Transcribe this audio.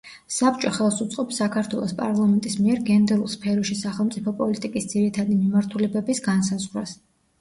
საბჭო ხელს უწყობს საქართველოს პარლამენტის მიერ გენდერულ სფეროში სახელმწიფო პოლიტიკის ძირითადი მიმართულებების განსაზღვრას.